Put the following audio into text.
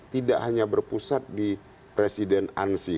tidak hanya berpusat di presiden ansi